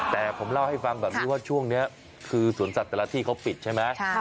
แต่ผมเล่าให้ฟังแบบนี้ว่าช่วงนี้คือสวนสัตว์แต่ละที่เขาปิดใช่ไหม